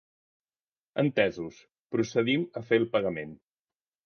Entesos, procedim a fer el pagament.